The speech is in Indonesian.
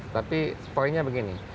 tapi poinnya begini